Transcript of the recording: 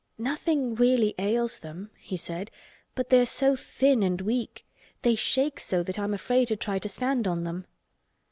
"Nothing really ails them," he said, "but they are so thin and weak. They shake so that I'm afraid to try to stand on them."